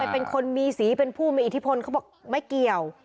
เป็นคนมีสีเป็นผู้มีอิทธิพลเขาบอกไม่เกี่ยว